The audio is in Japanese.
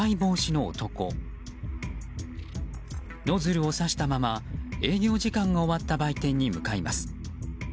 ノズルを刺したまま営業時間が終わった売店に向かいます。